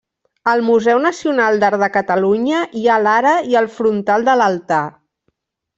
Al Museu Nacional d'Art de Catalunya hi ha l'ara i el frontal de l'altar.